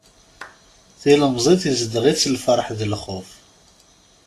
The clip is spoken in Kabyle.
Tilemẓit izdeɣ-itt lferḥ d lxuf.